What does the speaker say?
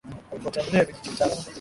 Walipotembelea vijiji vitano.